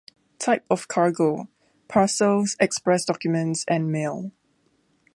Type of cargo: parcels, express documents and mail.